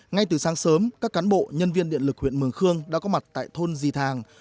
ngay từ sáng sớm các cán bộ nhân viên điện lực huyện mường khương đã có mặt tại thôn di thàng